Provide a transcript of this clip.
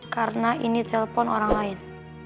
karena ini telepon orang lain